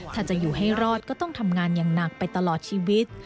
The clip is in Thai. ถ้าจะอยู่ให้รอดก็ต้องทำงานอย่างหนักไปตลอดชีวิต